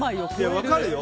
分かるよ。